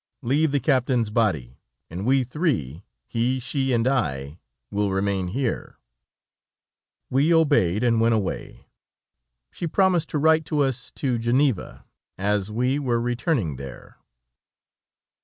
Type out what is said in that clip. Leave the captain's body, and we three, he, she, and I, will remain here." We obeyed and went away. She promised to write to us to Geneva, as we were returning there.